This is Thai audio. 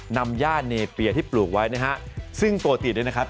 นำย่าเนเปียที่ปลูกไว้นะฮะซึ่งปกติเนี่ยนะครับ